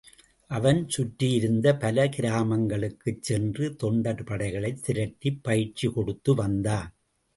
அவன் சுற்றியிருந்த பல கிராமங்களுக்குச் சென்று, தொண்டர் படைகளைத் திரட்டிப் பயிற்சி கொடுத்து வந்தான்.